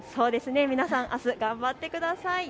皆さん、あす頑張ってください。